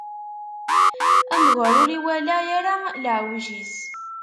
Amger ur iwala ara leɛwej-is.